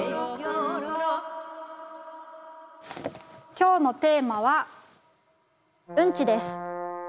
今日のテーマは「うんち」です。